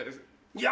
いや